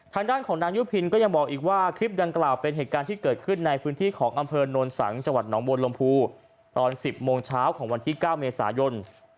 ทางด้านของนางยุพินก็ยังบอกอีกว่าคลิปดังกล่าวเป็นเหตุการณ์ที่เกิดขึ้นในพื้นที่ของอำเภอโนนสังจังหวัดหนองบวนลมภูตอน๑๐โมงเช้าของวันที่๙เมษายน